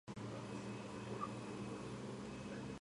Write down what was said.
ევაგრეს კათოლიკოსობა მძიმე მდგომარეობაში მოუხდა.